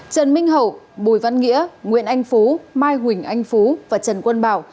trần minh hậu bùi văn nghĩa nguyễn anh phú mai huỳnh anh phú và trần quân bảo